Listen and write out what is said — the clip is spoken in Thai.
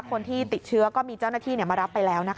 คนที่ติดเชื้อก็มีเจ้าหน้าที่มารับไปแล้วนะคะ